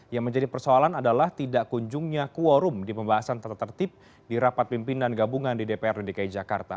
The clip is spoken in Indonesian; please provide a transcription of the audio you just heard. yang menjadi persoalan adalah tidak kunjungnya kuorum di pembahasan tata tertib di rapat pimpinan gabungan di dprd dki jakarta